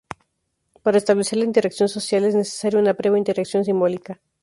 Para establecer la interacción social es necesaria una previa interacción simbólica.